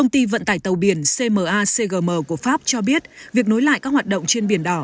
tàu biển cmacgm của pháp cho biết việc nối lại các hoạt động trên biển đảo